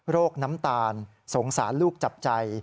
น้ำตาลสงสารลูกจับใจ